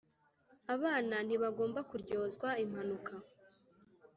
abana ntibagomba kuryozwa impanuka.